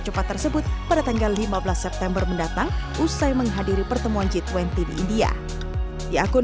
cepat tersebut pada tanggal lima belas september mendatang usai menghadiri pertemuan g dua puluh di india di akun